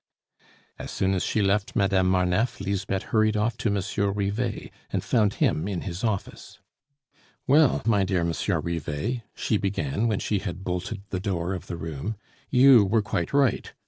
As soon as she left Madame Marneffe, Lisbeth hurried off to Monsieur Rivet, and found him in his office. "Well, my dear Monsieur Rivet," she began, when she had bolted the door of the room. "You were quite right.